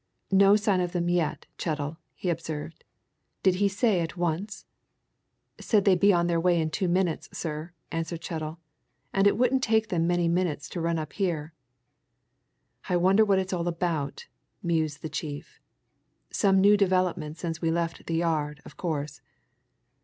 "No sign of them yet, Chettle," he observed. "Did he say at once?" "Said they'd be on their way in two minutes, sir," answered Chettle. "And it wouldn't take them many minutes to run up here." "I wonder what it's all about?" mused the chief. "Some new development since we left the Yard, of course.